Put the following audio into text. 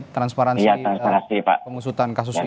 transparansi pengusutan kasus ini